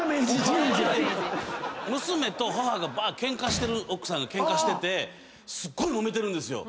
娘と母がばーっケンカしてる奥さんがケンカしててすっごいもめてるんですよ。